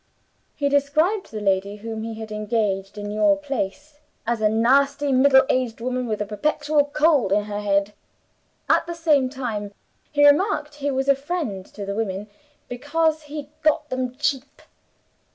He described the lady whom he had engaged in your place as a 'nasty middle aged woman with a perpetual cold in her head.' At the same time (he remarked) he was a friend to the women, 'because he got them cheap.